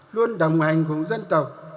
luôn đồng hành cùng dân tộc